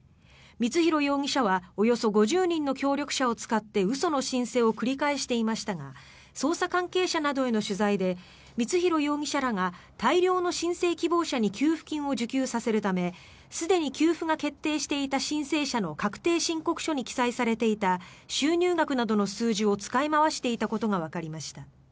光弘容疑者はおよそ５０人の協力者を使って嘘の申請を繰り返していましたが捜査関係者などへの取材で光弘容疑者らが大量の申請希望者に給付金を受給させるためすでに給付が決定していた申請者の確定申告書に記載されていた収入額などの数字を使い回していたことがわかりました。